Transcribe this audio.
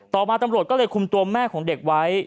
ต่อมาตำรวจก็เลยคุมตัวแม่ของเด็กไว้